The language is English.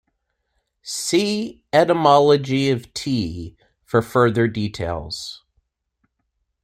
See etymology of tea for further details.